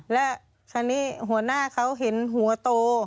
แล้วคราวนี้หัวหน้าเขาเห็นหัวโต